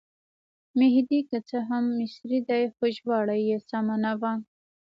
مهدي که څه هم مصری دی خو ژباړه یې سمه نه وه.